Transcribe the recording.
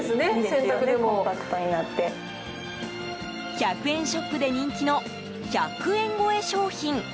１００円ショップで人気の１００円超え商品。